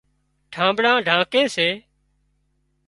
ڍانٻڙان ڍانڪي سي